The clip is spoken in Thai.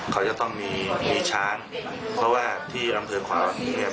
เขาจะต้องมีมีช้างเพราะว่าที่อำเภอขวามีเนี่ย